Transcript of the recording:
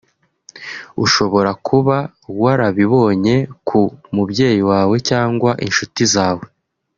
ushobora kuba warabibonye ku mubyeyi wawe cyangwa inshuti zawe